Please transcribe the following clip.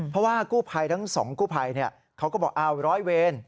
เพราะว่ากู้ภัยทั้งสองกู้ภัยเขาก็บอกอ้าวร้อยเวร